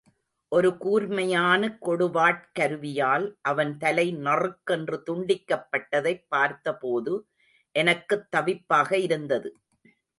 ஒரு கூர்மையான கொடுவாட் கருவியால் அவன் தலை நறுக்கென்று துண்டிக்கப்பட்டதைப் பார்த்தபோது எனக்குத் தவிப்பாக இருந்தது.